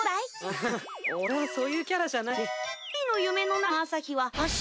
ハハッ俺はそういうキャラじゃないし。